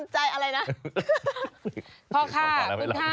เดี๋ยวเขาเปลี่ยนเพลงแล้ว